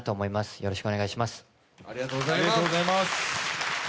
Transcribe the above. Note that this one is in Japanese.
よろしくお願いします。